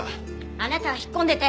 あなたは引っ込んでて！